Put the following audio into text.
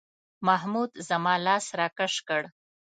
محمود زما لاس راکش کړ.